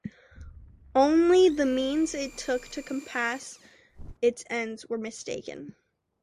Only the means it took to compass its ends were mistaken.